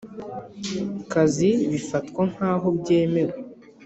Kazi bifatwa nk aho byemewe